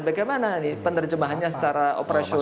bagaimana penerjemahannya secara operasional